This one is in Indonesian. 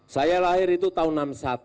saya lahir itu tahun enam puluh satu